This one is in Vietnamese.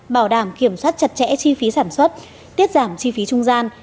bảo đảm kiểm soát chặt chẽ chi phí sản xuất tiết giảm chi phí trung gian